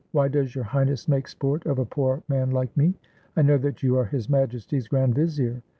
"Why does Your Highness make sport of a poor man like me? I know that you are His Majesty's grand vizier!"